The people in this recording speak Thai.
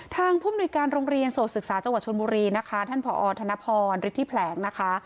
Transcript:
ผู้มนุยการโรงเรียนโสดศึกษาจังหวัดชนบุรีนะคะท่านผอธนพรฤทธิแผลงนะคะ